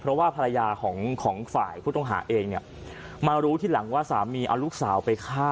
เพราะว่าภรรยาของของฝ่ายผู้ต้องหาเองเนี่ยมารู้ทีหลังว่าสามีเอาลูกสาวไปฆ่า